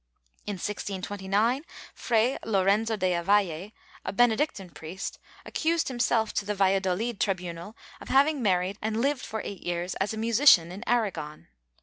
^ In 1629, Fray Lorenzo de Avalle, a Benedictine priest, accused himself to the Valladolid tribunal of having mar ried and lived for eight years as a musician in Aragon.